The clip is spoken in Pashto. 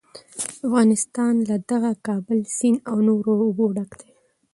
افغانستان له دغه کابل سیند او نورو اوبو ډک دی.